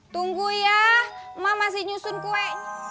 tunggu ya emak masih nyusun kue